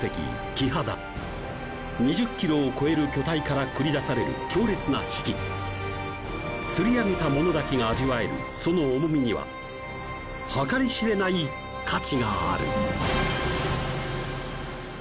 キハダ２０ｋｇを超える巨体から繰り出される強烈なヒキ釣り上げた者だけが味わえるその重みには計り知れない価値がある！